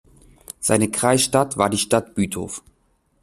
Seine Kreisstadt war die Stadt Bütow.